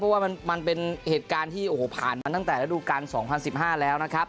เพราะว่ามันเป็นเหตุการณ์ที่โอ้โหผ่านมาตั้งแต่ระดูการ๒๐๑๕แล้วนะครับ